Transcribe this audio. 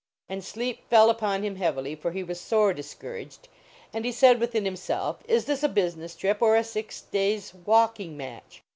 And sleep fell upon him heav ily, for he was sore discouraged, and he said within himself, " Is this a business trip or a six days walking match?"